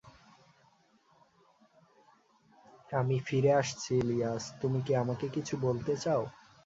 আমি ফিরে আসছি ইলিয়াস, তুমি কি আমাকে কিছু বলতে চাও?